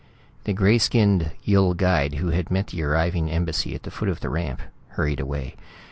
The gray skinned Yill guide who had met the arriving embassy at the foot of the ramp hurried away.